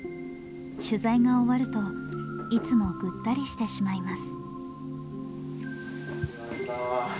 取材が終わるといつもぐったりしてしまいます。